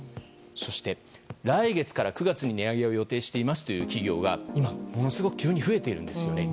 そして、来月から９月に値上げを予定していますという企業がものすごく急に増えているんです。